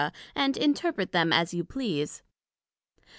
and interpret them as you please.